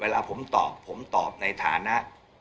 เวลาผมตอบผมตอบในฐานะ